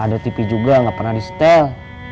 ada tv juga nggak pernah di setel